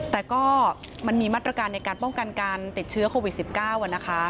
แต่ก็มันมีมาตรการในการป้องกันการติดเชื้อโควิด๑๙นะคะ